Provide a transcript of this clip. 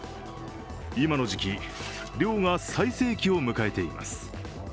今の時期、漁が最盛期を迎えています。